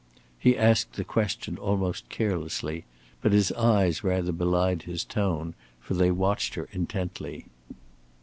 He asked the question almost carelessly, but his eyes rather belied his tone, for they watched her intently.